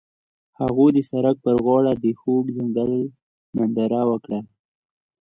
هغوی د سړک پر غاړه د خوږ ځنګل ننداره وکړه.